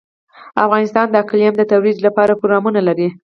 افغانستان د اقلیم د ترویج لپاره پروګرامونه لري.